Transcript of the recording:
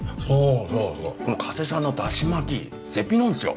そうそうこの加瀬さんのだし巻き絶品なんですよ